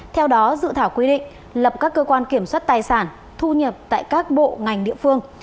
theo đó dự thảo quy định lập các cơ quan kiểm soát tài sản thu nhập tại các bộ ngành địa phương